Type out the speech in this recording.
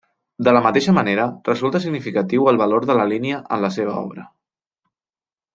De la mateixa manera, resulta significatiu el valor de la línia en la seva obra.